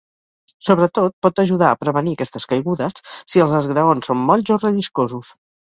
Sobretot pot ajudar a prevenir aquestes caigudes si els esgraons són molls o relliscosos.